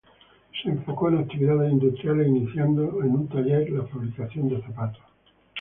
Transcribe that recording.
Se enfocó en actividades industriales iniciando en un taller de fabricación de zapatos.